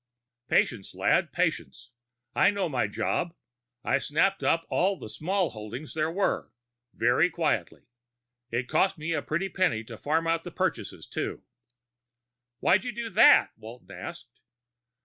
"Patience, lad, patience. I know my job. I snapped up all the small holdings there were, very quietly. It cost me a pretty penny to farm out the purchases, too." "Why'd you do that?" Walton asked.